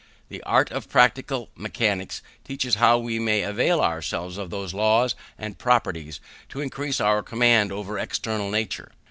The art of practical mechanics teaches how we may avail ourselves of those laws and properties, to increase our command over external nature.